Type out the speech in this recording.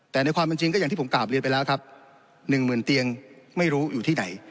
แต่ในความเป็นจริงก็อย่างที่ผมกลับเรียนไปแล้วครับหนึ่งหมื่นเตียงไม่รู้อยู่ที่ไหน